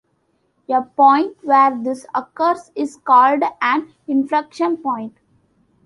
A point where this occurs is called an inflection point.